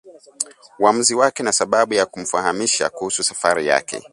uamuzi wake na sababu ya kutomfahamisha kuhusu safari yake